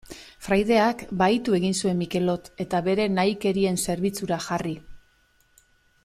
Fraideak bahitu egin zuen Mikelot, eta bere nahikerien zerbitzura jarri.